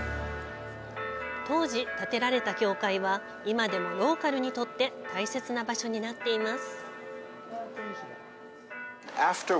当時建てられた教会は今でもローカルにとって大切な場所になっています。